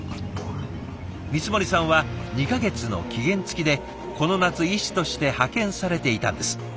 光森さんは２か月の期限付きでこの夏医師として派遣されていたんです。